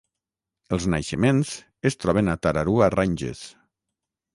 Els naixements es troben a Tararua Ranges.